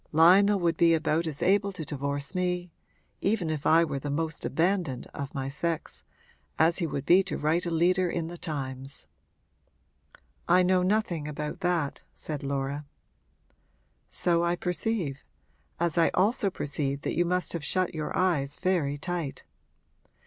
Lionel would be about as able to divorce me even if I were the most abandoned of my sex as he would be to write a leader in the Times.' 'I know nothing about that,' said Laura. 'So I perceive as I also perceive that you must have shut your eyes very tight.